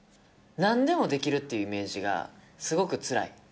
なんでもできるっていうイメージが、すごくつらい。